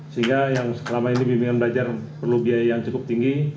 sehingga yang selama ini bimbingan belajar perlu biaya yang cukup tinggi